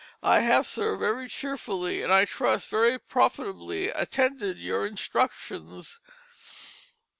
I have, sir, very cheerfully, and I trust very profitably, attended your instructions."